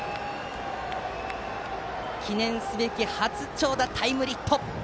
記念すべき初長打タイムリーヒット。